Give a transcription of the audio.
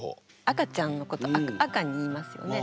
赤ちゃんのこと赤に言いますよね。